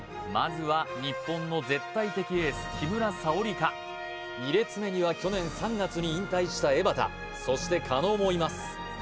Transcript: まずは日本の絶対的エース木村沙織か２列目には去年３月に引退した江畑そして狩野もいます